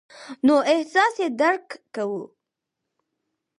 نو احساس یې درک کوو.